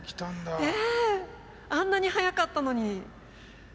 あんなに速かったのにいや。